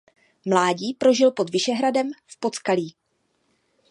Mládí prožil pod Vyšehradem v Podskalí.